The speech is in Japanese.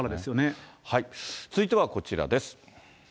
続いてはこちらです。